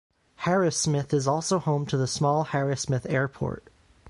Harrismith is also home to the small Harrismith Airport.